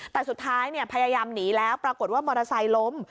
แต่สุดท้ายพยายามหนีแล้วปรากฏว่ามอเตอร์ไซค์ล้ม